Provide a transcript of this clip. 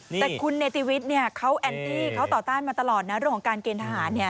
แต่คุณเนติวิทย์เนี่ยเขาแอนตี้เขาต่อต้านมาตลอดนะเรื่องของการเกณฑ์ทหาร